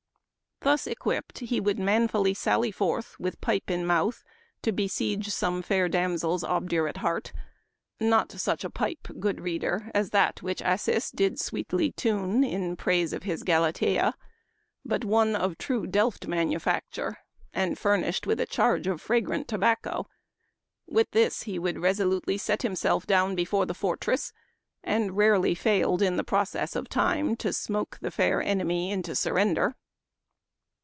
" Thus equipped, he would manfully sally forth with pipe in mouth to besiege some fair damsel's obdurate heart — not such a pipe, good reader, as that which Acis did sweetly tune in praise of his Galatsea, but one of true Delft manufacture, and furnished with a charge of fragrant tobacco. With this he would resolutely set himself down before the fortress, and rarely failed, in the process of time, to smoke the fair enemy into surrender."